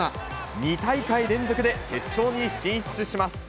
２大会連続で決勝に進出します。